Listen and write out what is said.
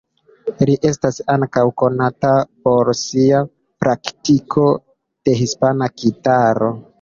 Li estas ankaŭ konata por sia praktiko de hispana gitaro.